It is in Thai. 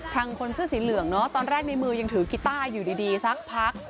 ทางคนเสื้อสีเหลืองตอนแรกในมือยังถือกีตาร์อยู่ดีซักพัก